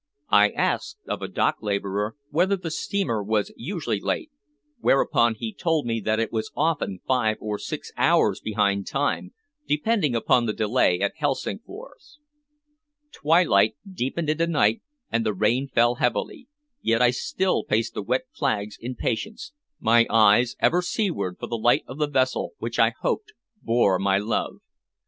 I asked of a dock laborer whether the steamer was usually late, whereupon he told me that it was often five or six hours behind time, depending upon the delay at Helsingfors. Twilight deepened into night, and the rain fell heavily, yet I still paced the wet flags in patience, my eyes ever seaward for the light of the vessel which I hoped bore my love.